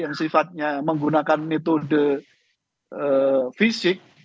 yang sifatnya menggunakan metode fisik